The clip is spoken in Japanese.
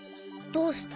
「どうした」？